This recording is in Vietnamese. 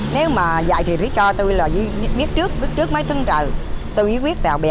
nếu mà dạy thì phải cho tôi là biết trước biết trước mấy thân trợ tôi ý quyết tạo bè